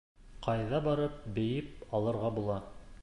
Ҡайҙа барып бейеп алырға була?